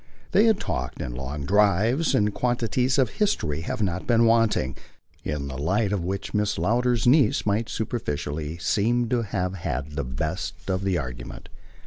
They had talked, in long drives, and quantities of history had not been wanting in the light of which Mrs. Lowder's niece might superficially seem to have had the best of the argument.